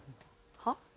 はっ？